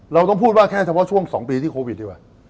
เราต้องพูดว่าแค่เฉพาะช่วง๒ปีที่โควิดดีกว่า